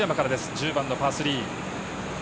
１０番のパー３。